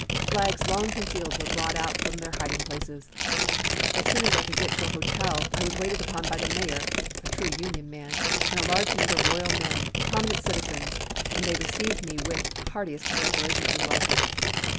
Flags long concealed were brought from their hiding places. As soon as I could get to a hotel I was waited upon by the mayor (a true Union man) and a large number of loyal men, prominent citizens, and they received me with heartiest congratulations and welcome.